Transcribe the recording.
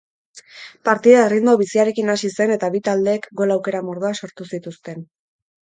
Partida erritmo biziarekin hasi zen eta bi taldeek gol aukera mordoa sortu zituzten.